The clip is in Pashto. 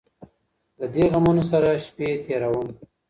له دې غمـونـو ســـره شــپــې تــېــــروم